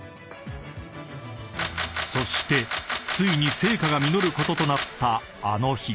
［そしてついに成果が実ることとなったあの日］